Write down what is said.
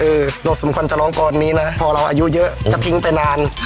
เป็นดาวร้ายปีแรกหลังกลานนี้นะพอเราอายุเยอะก็ทิ้งไปนาน